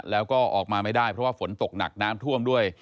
แล้วก็ออกมาไม่ได้เพราะว่าฝนตกหนักน้ำท่วมด้วย